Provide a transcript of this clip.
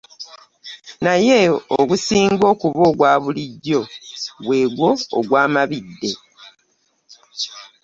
Naye ogusinga okuba ogwa bulijjo gwe gwo ogw'amabidde.